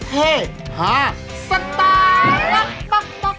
เพศพาสตาร์ท